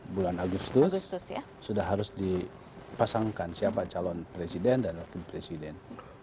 bulan agustus sudah harus dipasangkan siapa calon presiden dan wakil presiden